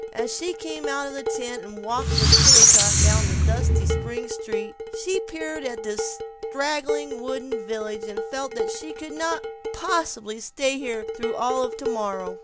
As she came out of the tent and walked with Kennicott down the dusty spring street, she peered at this straggling wooden village and felt that she could not possibly stay here through all of tomorrow.